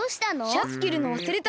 シャツきるのわすれた。